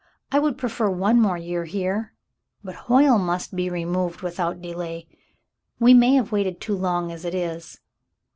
I would prefer one more year here, but Hoyle must be removed without delay. We may have waited too long as it is.